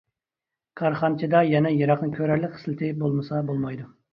كارخانىچىدا يەنە يىراقنى كۆرەرلىك خىسلىتى بولمىسا بولمايدۇ.